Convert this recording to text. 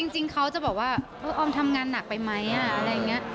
จริงเขาจะบอกว่าออมทำงานหนักไปไหมอะไรอย่างนี้